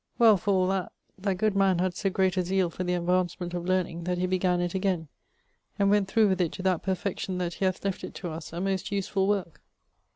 Well, for all that, that good man had so great a zeale for the advancement of learning, that he began it again, and went through with it to that perfection that he hath left it to us, a most usefull worke.